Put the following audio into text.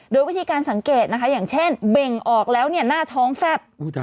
โดยวิธีการสังเกตนะคะอย่างเช่นเบ่งออกแล้วเนี่ยหน้าท้องแฟบ